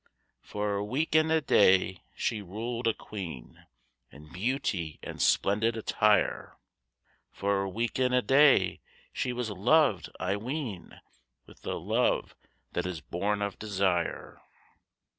For a week and a day she ruled a queen In beauty and splendid attire; For a week and a day she was loved, I ween, With the love that is born of desire.